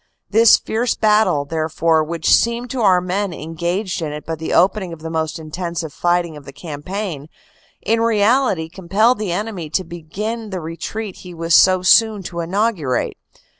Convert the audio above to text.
This fierce battle, therefore, which seemed to our men engaged in it but the opening of the most intensive fighting of the campaign, in reality compelled the enemy to begin the retreat he was so soon to inaugurate.